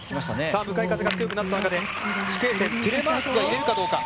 向かい風が強くなった中で飛型点テレマークは入れるかどうか。